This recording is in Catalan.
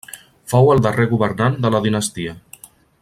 Fou el darrer governant de la dinastia.